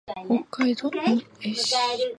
北海道音更町